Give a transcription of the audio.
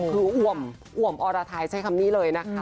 คืออ่วมอ่วมอรไทยใช้คำนี้เลยนะคะ